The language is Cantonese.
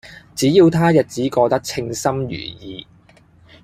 只要他日子過得稱心如意